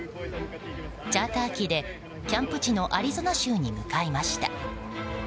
チャーター機でキャンプ地のアリゾナ州に向かいました。